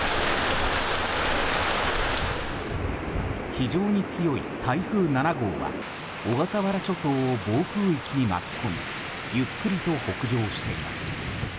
非常に強い台風７号は小笠原諸島を暴風域に巻き込みゆっくりと北上しています。